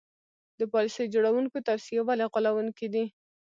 د پالیسي جوړوونکو توصیې ولې غولوونکې دي.